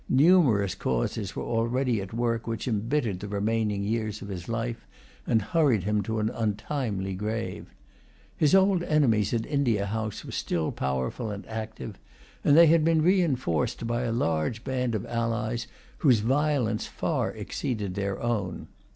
Numerous causes were already at work which embittered the remaining years of his life, and hurried him to an untimely grave. His old enemies at the India House were still powerful and active; and they had been reinforced by a large band of allies whose violence far exceeded their own.